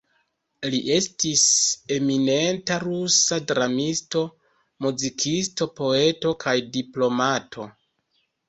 Li estis eminenta rusa dramisto, muzikisto, poeto kaj diplomato.